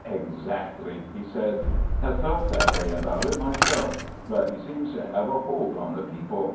"Exactly," he said. "Have felt that way about it myself. But he seems to have a hold on the people.